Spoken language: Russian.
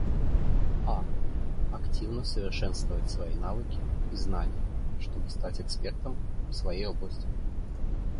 А - Активно совершенствовать свои навыки и знания, чтобы стать экспертом в своей области.